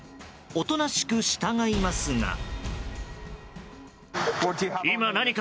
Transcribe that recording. おとなしく従いますが。